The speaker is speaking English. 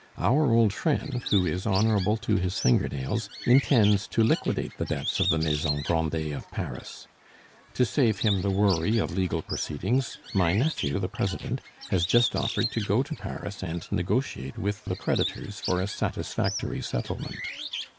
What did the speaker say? Our old friend, who is honorable to his finger nails, intends to liquidate the debts of the Maison Grandet of Paris. To save him the worry of legal proceedings, my nephew, the president, has just offered to go to Paris and negotiate with the creditors for a satisfactory settlement."